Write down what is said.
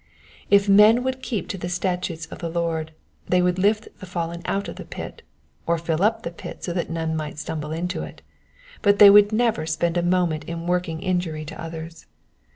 If men would keep to the statutes of the Lord, they would lift the fallen out of the pit, or fill up the pit so that none might stumble into it ; but they would never spend a moment in working injury to others.